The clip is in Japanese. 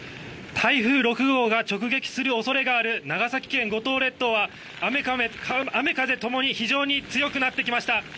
台風６号が直撃する恐れがある長崎県五島列島は雨風共に非常に強くなってきました。